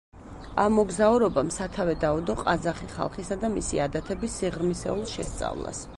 ამ მოგზაურობამ სათავე დაუდო ყაზახი ხალხისა და მისი ადათების სიღრმისეულ შესწავლას.